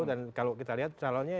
dan kalau kita lihat calonnya